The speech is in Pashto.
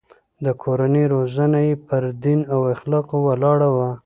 د کورنۍ روزنه يې پر دين او اخلاقو ولاړه وه.